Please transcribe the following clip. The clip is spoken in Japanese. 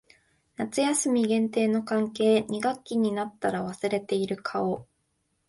夏休み限定の関係。二学期になったら忘れている顔。